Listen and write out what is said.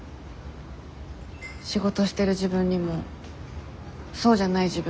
仕事してる自分にもそうじゃない自分にも。